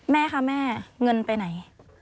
แม่คะแม่เงินไปไหน